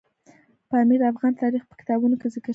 پامیر د افغان تاریخ په کتابونو کې ذکر شوی دی.